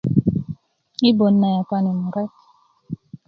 i bot na yapani murek